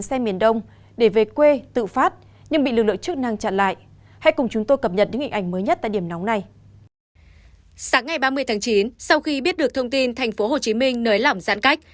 sáng ngày ba mươi tháng chín sau khi biết được thông tin thành phố hồ chí minh nới lỏng giãn cách